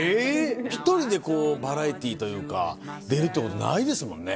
１人でバラエティーというか出るってことないですもんね。